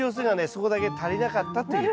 そこだけ足りなかったという。